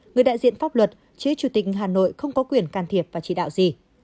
người đại diện pháp luật chứ chủ tịch hà nội không có quyền can thiệp và chỉ đạo gì